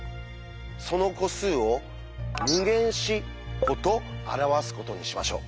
その個数を「∞自」個と表すことにしましょう。